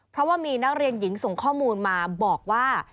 เพราะว่ามีนักเรียนหญิงส่งข้อมูลมาบอกว่า